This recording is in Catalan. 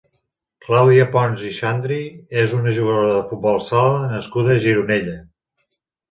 Clàudia Pons i Xandri és una jugadora de futbol sala nascuda a Gironella.